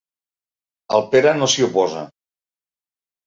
El Pere no s'hi oposa.